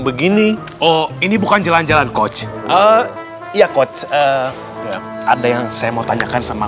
begini oh ini bukan jalan jalan coach iya coach ada yang saya mau tanyakan sama